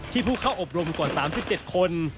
ผู้เข้าอบรมกว่า๓๗คน